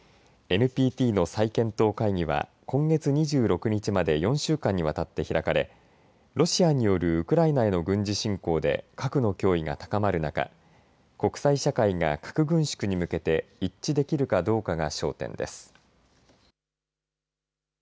ＮＰＴの再検討会議は今月２６日まで４週間にわたって開かれロシアによるウクライナへの軍事侵攻で核の脅威が高まる中国際社会が核軍縮に向けて一致できるかどうかが焦点です。